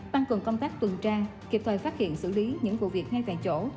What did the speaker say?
tăng cường công tác tuần tra kịp thời phát hiện xử lý những vụ việc ngay tại chỗ